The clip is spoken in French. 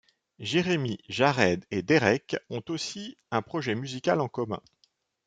Jeremy, Jared et Derek ont aussi un projet musical en commun.